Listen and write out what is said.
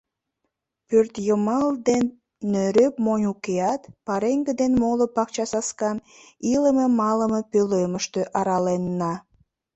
Пӧртйымал ден нӧреп монь укеат, пареҥге ден моло пакчасаскам илыме-малыме пӧлемыште араленна.